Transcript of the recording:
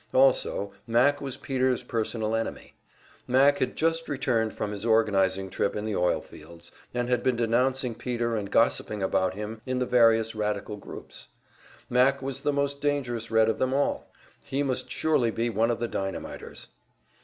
Also "Mac" was Peter's personal enemy; "Mac" had just returned from his organizing trip in the oil fields, and had been denouncing Peter and gossiping about him in the various radical groups. "Mac" was the most dangerous Red of them all! He must surely be one of the dynamiters!